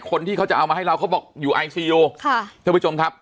คนที่เขาจะเอามาให้เราเขาบอกอยู่ไอซียูค่ะท่านผู้ชมครับ